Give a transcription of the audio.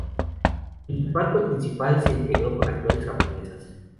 El reparto principal se integró con actores japoneses.